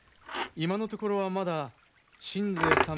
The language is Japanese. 今のところはまだ信西様